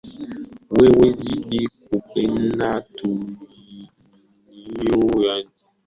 Wewe zidi kumpenda tu vivyo hivyo